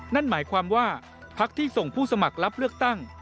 นั่นหมายความว่าพักที่ส่งผู้สมัครรับเลือกตั้ง